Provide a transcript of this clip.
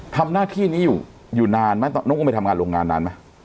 ทำหน้าที่นี้อยู่อยู่นานมั้ยน้องก็ไม่ทำงานโรงงานนานมั้ย